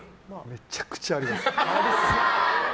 めちゃめちゃあります。